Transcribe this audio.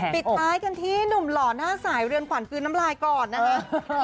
ปิดท้ายกันที่หนุ่มหล่อหน้าสายเรือนขวัญกลืนน้ำลายก่อนนะคะ